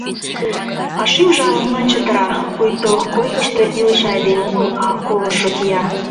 А шӱмжӧ ала-молан чытыра, пуйто койкышто илыше айдеме огыл, а колышо кия.